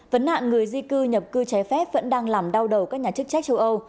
vấn nạn người di cư nhập cư trái phép vẫn đang làm đau đầu các nhà chức trách châu âu